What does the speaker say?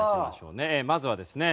まずはですね